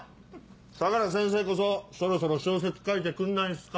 相良先生こそそろそろ小説書いてくんないんすか？